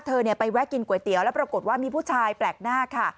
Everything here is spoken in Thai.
เธอไปแวะกินก๋วยเตี๋ยวแล้วปรากฏว่ามีผู้ชายแปลกหน้าค่ะ